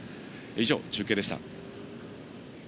以上、中継でした。